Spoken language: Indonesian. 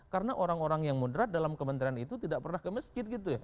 karena orang orang yang mudrat dalam kementerian itu tidak pernah ke masjid